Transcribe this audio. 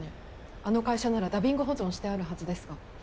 あの会社ならダビング保存してあるはずですが。